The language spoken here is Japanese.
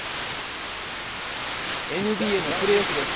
ＮＢＡのプレーオフです。